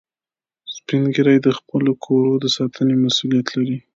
سپین ږیری د خپلو کورو د ساتنې مسئولیت لري